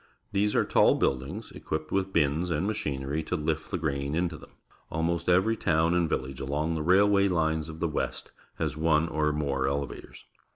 These are tall buildings, equipped with bins and machinery to lift the grain into them. Al most every town and village along the railway Unes of the West has one or more elevators.